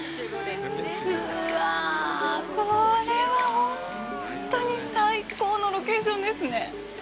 うわあ、これは本当に最高のロケーションですね。